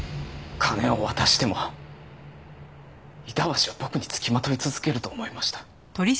金を渡しても板橋は僕につきまとい続けると思いました。